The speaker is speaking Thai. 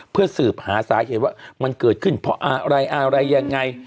เพื่อสืบหาสาเหตุว่ามันเกิดขึ้นเพราะอะไรอะไรยังไง